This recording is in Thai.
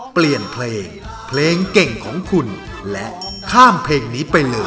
เปลี่ยนเพลงเพลงเก่งของคุณและข้ามเพลงนี้ไปเลย